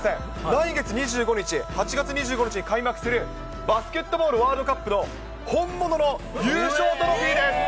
来月２５日、８月２５日に開幕するバスケットボールワールドカップの本物の優勝トロフィーです。